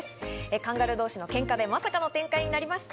カンガルー同士のケンカでまさかの展開になりました。